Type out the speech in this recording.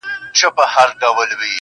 • ما يې اوږده غمونه لنډي خوښۍ نه غوښتې.